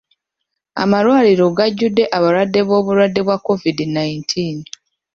Amalwaliro gajjudde abalwadde b'obulwadde bwa COVID nineteen.